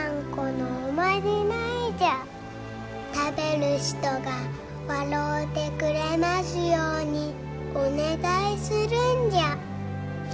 食べる人が笑うてくれますようにお願いするんじゃ。